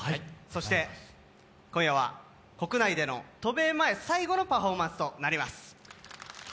そして今夜は国内の渡米前最後のパフォーマンスとなります。